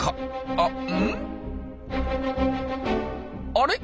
あれ？